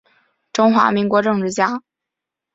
中华民国政治家。